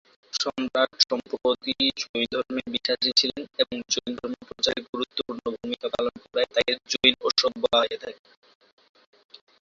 সম্রাট সম্প্রতি জৈন ধর্মে বিশ্বাসী ছিলেন এবং জৈন ধর্ম প্রচারে গুরুত্বপূর্ণ ভূমিকা পালন করায় তাকে জৈন অশোক বলা হয়ে থাকে।